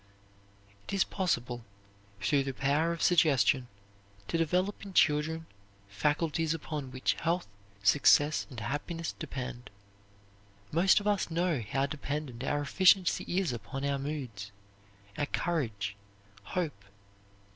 It is possible, through the power of suggestion, to develop in children faculties upon which health, success, and happiness depend. Most of us know how dependent our efficiency is upon our moods, our courage, hope.